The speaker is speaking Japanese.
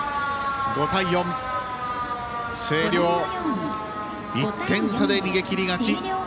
５対４、星稜１点差で逃げ切り勝ち。